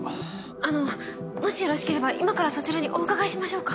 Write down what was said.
あのもしよろしければ今からそちらにお伺いしましょうか？